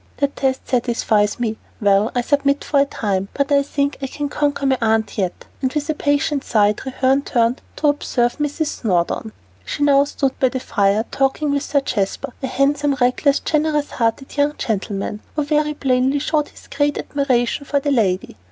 "That test satisfies me; well, I submit for a time, but I think I can conquer my aunt yet." And with a patient sigh Treherne turned to observe Mrs. Snowdon. She now stood by the fire talking with Sir Jasper, a handsome, reckless, generous hearted young gentleman, who very plainly showed his great admiration for the lady.